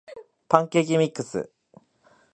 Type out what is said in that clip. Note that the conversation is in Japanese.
パンケーキミックス